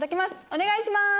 お願いします。